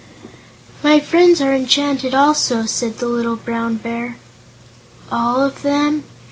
"My friends are enchanted, also," said the little Brown Bear. "All of them?"